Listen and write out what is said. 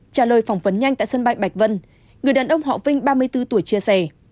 trả lời phỏng vấn nhanh tại sân bay bạch vân người đàn ông họ vinh ba mươi bốn tuổi chia sẻ